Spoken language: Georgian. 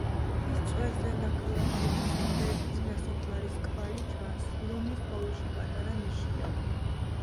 მთის წვერზე ნაქალაქევის გვერდით ნასოფლარის კვალი ჩანს, რომლის ბოლოში პატარა ნიშია.